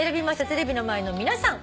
テレビの前の皆さん